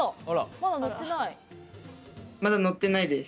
あらまだ乗ってない。